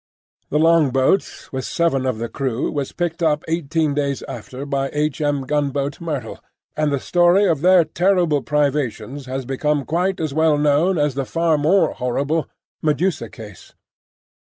The longboat, with seven of the crew, was picked up eighteen days after by H. M. gunboat Myrtle, and the story of their terrible privations has become quite as well known as the far more horrible Medusa case.